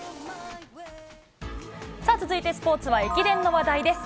続いてスポーツは駅伝の話題です。